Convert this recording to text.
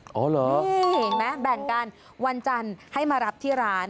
เห็นไหมแบ่งกันวันจันทร์ให้มารับที่ร้าน